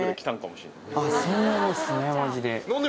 そうなんですねマジで。